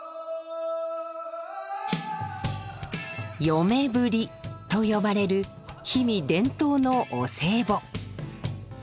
「嫁ブリ」と呼ばれる氷見伝統のお歳暮。